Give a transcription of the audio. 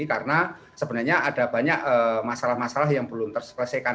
karena sebenarnya ada banyak masalah masalah yang belum terselekan